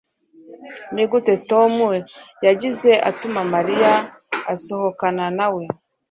nigute tom yigeze atuma mariya asohokana nawe